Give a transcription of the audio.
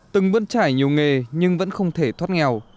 từng vươn trải nhiều nghề nhưng vẫn không thể thoát nghèo